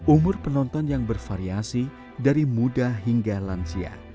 umur penonton yang bervariasi dari muda hingga lansia